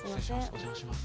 お邪魔します。